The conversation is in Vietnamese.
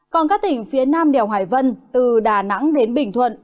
còn các tỉnh phía nam đèo hải vân từ đà nẵng đến bình thuận